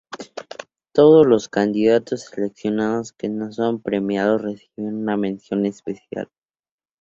Todos los candidatos preseleccionados que no son premiados reciben una "mención especial".